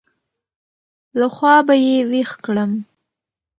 له خوابه يې وېښ کړم.